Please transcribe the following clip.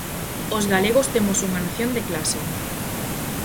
Os galegos temos unha nación de clase.